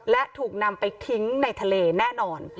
และถูกนำไปทิ้งในทะเลแน่นอน